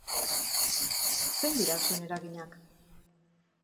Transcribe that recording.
Zein dira zuen eraginak?